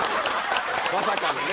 まさかのね。